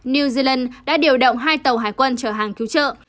new zealand đã điều động hai tàu hải quân chở hàng cứu trợ